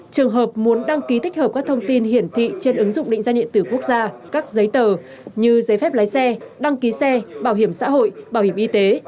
trường hợp muốn đăng ký tích hợp các thông tin hiển thị trên ứng dụng định danh điện tử quốc gia các giấy tờ như giấy phép lái xe đăng ký xe bảo hiểm xã hội bảo hiểm y tế